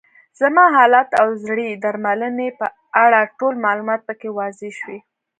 زما حالت او د زړې درملنې په اړه ټول معلومات پکې واضح شوي.